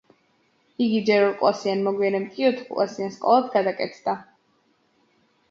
იგი ჯერ ორკლასიან, მოგვიანებით კი ოთხკლასიან სკოლად გადაკეთდა.